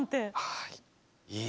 はい。